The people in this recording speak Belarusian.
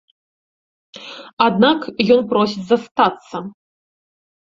Аднак ён просіць застацца.